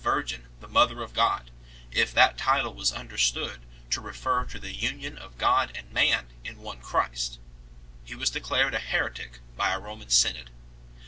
Virgin the Mother of God, if that title was understood to refer to the union of God and Man in one Christ ; he was declared a heretic by a Roman synod 1